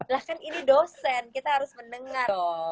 lah kan ini dosen kita harus mendengar dong